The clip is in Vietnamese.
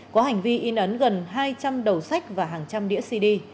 có hành vi in ấn gần hai trăm linh đầu sách và hàng trăm đĩa cd